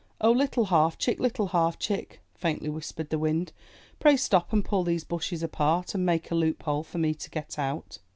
''0, Little Half Chick, Little Half Chick," faintly whispered the Wind, '*pray stop and pull these bushes apart, and make a loophole for me to get out!"